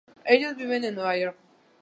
Ellos viven en nueva york.